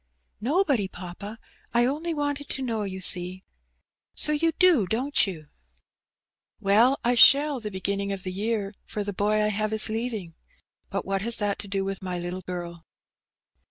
'* "Nobody, papa; I only wanted to knowj you see. So you do, don't you?" The Tide Tubns. 141 "Well, I shall tte beginning of the year, for the boy I have ia leaving. But wbat has that to do with my little girl?"